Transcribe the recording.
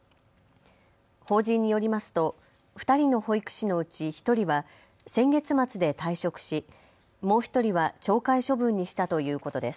法人によりますと２人の保育士のうち、１人は先月末で退職しもう１人は懲戒処分にしたということです。